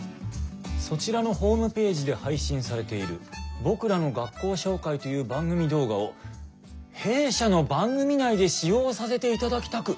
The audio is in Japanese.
「そちらのホームページで配信されている『僕らの学校紹介』という番組動画を弊社の番組内で使用させていただきたく」。